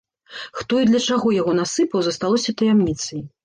Хто і для чаго яго насыпаў, засталося таямніцай.